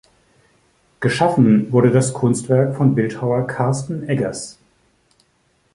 Geschaffen wurde das Kunstwerk von Bildhauer Carsten Eggers.